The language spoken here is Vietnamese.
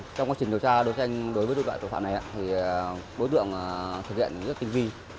trong quá trình điều tra đối tranh đối với đối tượng tội phạm này đối tượng thực hiện rất tinh vi